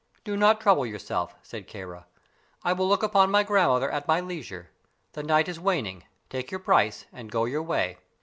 "Do not trouble yourself," said Kāra. "I will look upon my grandmother at my leisure. The night is waning. Take your price and go your way."